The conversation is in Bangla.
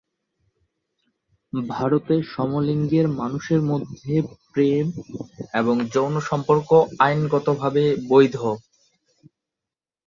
ভারতে সমলিঙ্গের মানুষের মধ্যে মধ্যে প্রেম এবং যৌন সম্পর্ক আইনগতভাবে বৈধ।